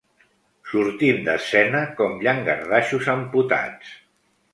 Sortim d'escena com llangardaixos amputats.